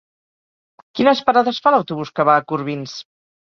Quines parades fa l'autobús que va a Corbins?